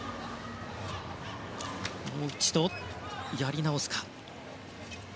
もう一度、やり直すか。